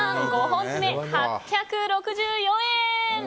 ５本詰、８６４円。